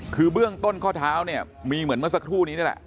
คือเบื้องต้นข้อเท้าเนี่ยมีเหมือนเมื่อสักครู่นี้นี่แหละ